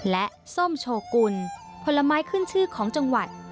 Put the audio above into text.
และส้มโชกุลผลไม้ขึ้นชื่อของจังหวัด